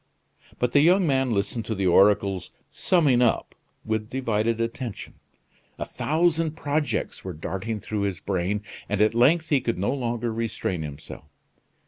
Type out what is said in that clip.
But the young man listened to the oracle's "summing up" with divided attention. A thousand projects were darting through his brain, and at length he could no longer restrain himself.